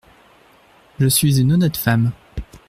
Je suis une honnête femme !